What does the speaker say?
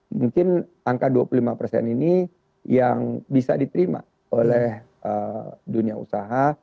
mungkin angka dua puluh lima persen ini yang bisa diterima oleh dunia usaha